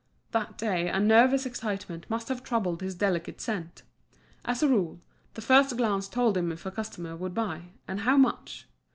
That day a nervous excitement must have troubled his delicate scent. As a rule, the first glance told him if a customer would buy, and how much.